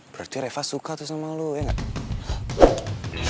berarti reva suka tuh sama lo ya nggak